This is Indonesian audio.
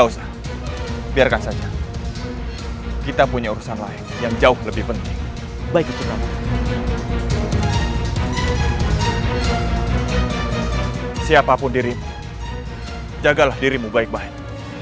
siapapun diri jagalah dirimu baik baik